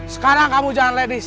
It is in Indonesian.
sekarang kamu jangan ledis